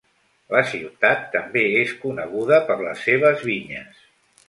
La ciutat també és coneguda per les seves vinyes.